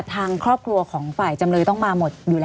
ทางครอบครัวของฝ่ายจำเลยต้องมาหมด